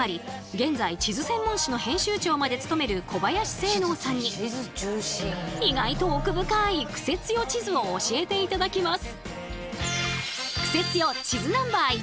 現在地図専門誌の編集長まで務める小林政能さんに意外と奥深いクセ強地図を教えて頂きます。